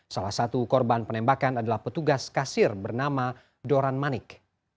salah satu korban penembakan adalah petugas kasir bernama doran manik